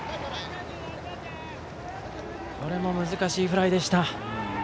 これも難しいフライでした。